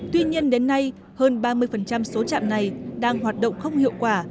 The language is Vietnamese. tuy nhiên đến nay hơn ba mươi số trạm này đang hoạt động không hiệu quả